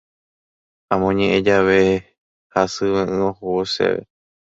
Amoñe'ẽve jave hasyve'ỹ ohóvo chéve.